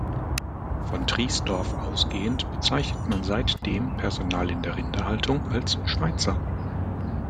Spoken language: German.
Von Triesdorf ausgehend bezeichnet man seitdem Personal in der Rinderhaltung als Schweizer.